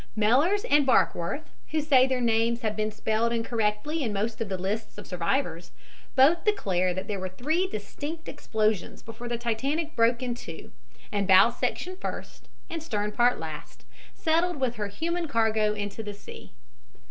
Mellers and Barkworth, who say their names have been spelled incorrectly in most of the lists of survivors, both declare there were three distinct explosions before the Titanic broke in two, and bow section first, and stern part last, settled with her human cargo into the sea.